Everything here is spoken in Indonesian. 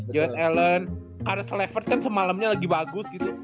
jared allen caris leffert kan semalemnya lagi bagus gitu